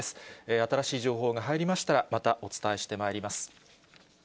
新しい情報が入りましたら、またお伝えしてまいります。